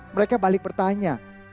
mereka balik bertanya